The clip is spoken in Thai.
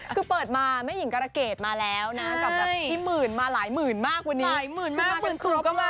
คือเปิดมาแม่หญิงกรเกรดมาแล้วนะใช่กับแบบที่หมื่นมาหลายหมื่นมากว่านี้หลายหมื่นมาก